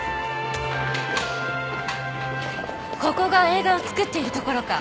ここが映画を作っているところか。